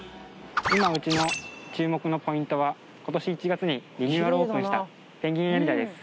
今うちの注目のポイントは今年１月にリニューアルオープンしたペンギンエリアです